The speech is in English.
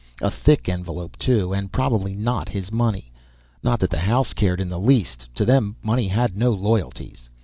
A thick envelope too, and probably not his money. Not that the house cared in the least. To them money had no loyalties.